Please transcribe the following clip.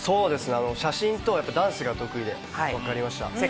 写真とダンスが得意で分かりました。